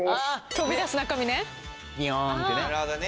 飛び出す中身ね。